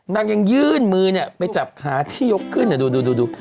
ยังยื่นมือเนี่ยไปจับขาที่ยกขึ้นดู